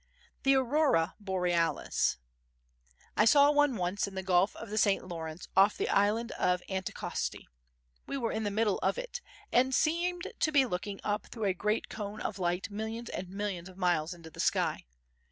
The Aurora Borealis I saw one once in the Gulf of the St. Lawrence off the island of Anticosti. We were in the middle of it, and seemed to be looking up through a great cone of light millions and millions of miles into the sky.